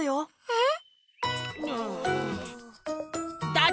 えっ？